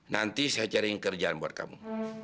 nanti saya caring kerjaan buat kamu